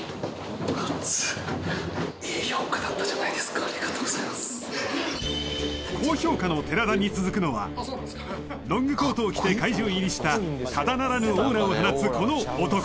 これありがとうございます高評価の寺田に続くのはロングコートを着て会場入りしたただならぬオーラを放つこの男